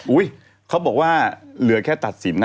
เขาบอกว่าเหลือแค่ตัดสินนะ